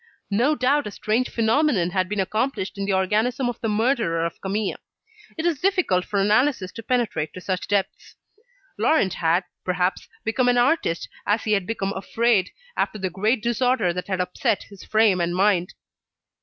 No doubt a strange phenomenon had been accomplished in the organism of the murderer of Camille. It is difficult for analysis to penetrate to such depths. Laurent had, perhaps, become an artist as he had become afraid, after the great disorder that had upset his frame and mind.